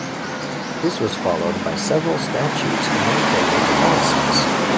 This was followed by several statutes enacting its policies.